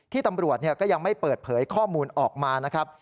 ตำรวจก็ยังไม่เปิดเผยข้อมูลออกมานะครับ